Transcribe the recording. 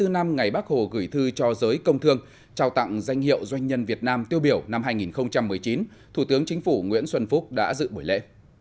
bảy mươi năm năm ngày bác hồ gửi thư cho giới công thương trao tặng danh hiệu doanh nhân việt nam tiêu biểu năm hai nghìn một mươi chín thủ tướng chính phủ nguyễn xuân phúc đã dự buổi lễ